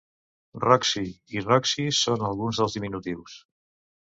"Roxie" i "Roxy" són alguns dels diminutius.